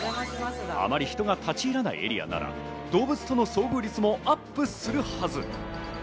あまり人が立ち入れないエリアなら動物との遭遇率もアップするはず。